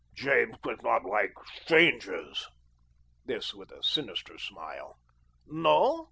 "James does not like strangers." This with a sinister smile. "No?"